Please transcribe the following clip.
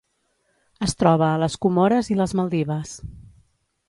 Es troba a les Comores i les Maldives.